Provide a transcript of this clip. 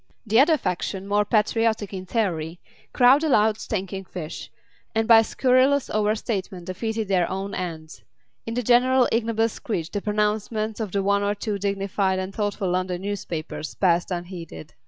The other faction, more patriotic in theory, cried aloud stinking fish, and by scurrilous over statement defeated their own ends. In the general ignoble screech the pronouncements of the one or two dignified and thoughtful London newspapers passed unheeded....